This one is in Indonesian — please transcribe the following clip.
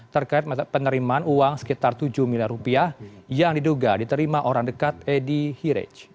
terkait penerimaan uang sekitar tujuh miliar rupiah yang diduga diterima orang dekat edi hirej